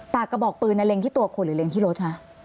กระบอกปืนเล็งที่ตัวคนหรือเล็งที่รถคะ